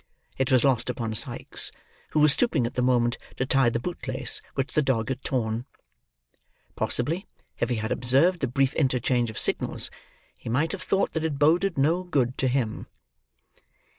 It was lost upon Sikes, who was stooping at the moment to tie the boot lace which the dog had torn. Possibly, if he had observed the brief interchange of signals, he might have thought that it boded no good to him.